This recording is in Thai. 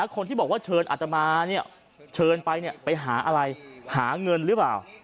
คนที่บอกว่าเชิญอัตมาเชิญไปไปหาอะไรหาเงินหรือเปล่า